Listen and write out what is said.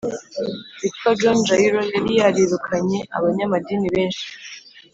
Witwa john jairo yari yarirukanye abanyamadini benshi